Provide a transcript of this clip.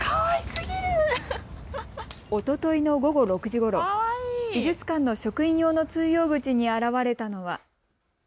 おとといの午後６時ごろ、美術館の職員用の通用口に現れたのは。